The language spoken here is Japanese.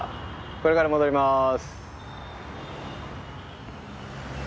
これから戻ります。